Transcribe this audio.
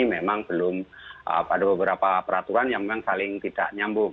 memang ada beberapa peraturan yang saling tidak nyambung